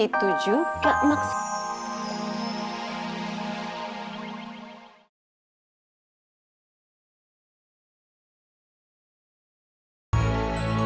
itu juga maksudnya